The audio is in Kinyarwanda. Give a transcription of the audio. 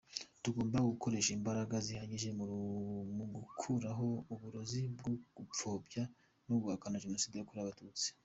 Tugomba gukoresha imbaraga zihagije mu gukuraho uburozi bwo gupfobya no guhakana Jenoside yakorewe Abatutsi.